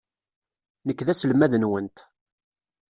Nekk d aselmad-nwent.